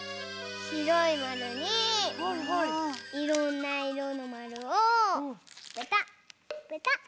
しろいまるにいろんないろのまるをペタッペタッ。